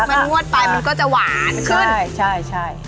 มันนวดไปมันก็จะหวานขึ้นใช่ใช่